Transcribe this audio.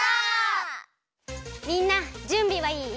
みんなじゅんびはいい？